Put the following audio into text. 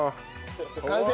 完成！